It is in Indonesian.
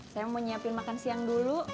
saya mau nyiapin makan siang dulu